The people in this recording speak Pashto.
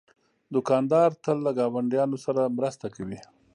دوکاندار تل له ګاونډیانو سره مرسته کوي.